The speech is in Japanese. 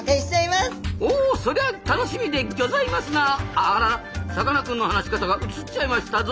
あららさかなクンの話し方がうつっちゃいましたぞ。